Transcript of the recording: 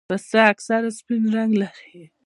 پسه اکثره سپین رنګه وي.